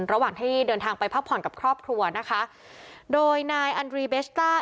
ระหว่างที่เดินทางไปพักผ่อนกับครอบครัวนะคะโดยนายอันดรีเบสต้า